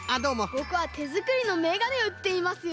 ぼくはてづくりのめがねをうっていますよ。